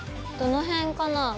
どの辺かな